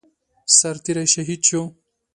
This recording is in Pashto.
سرتيری شهید شو